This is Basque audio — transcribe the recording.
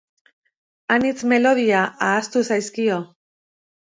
Anitz melodia ahaztu zaizkio.